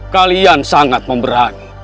kalian sangat memberani